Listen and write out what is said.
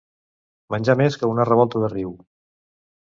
Menjar més que una revolta de riu.